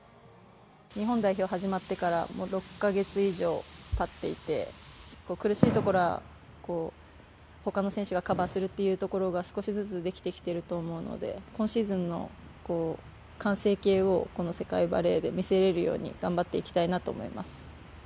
日本代表が始まってからもう６か月以上たっていて苦しいところは他の選手がカバーするというところが少しずつできてきていると思うので、今シーズンの完成形をこの世界バレーで見せられるように頑張っていきたいなと思います。